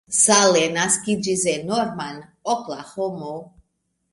Salle naskiĝis en Norman, Oklahomo.